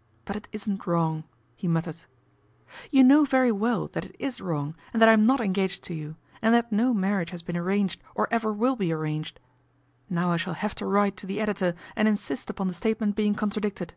" But it isn't wrong," he muttered. ' You know very well that it is wrong and that I am not engaged to you, and that no marriage has been arranged or ever will be arranged. Now I shall have to write to the editor and insist upon the statement being contradicted."